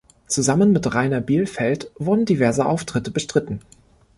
Zusammen mit Rainer Bielfeldt wurden diverse Auftritte bestritten.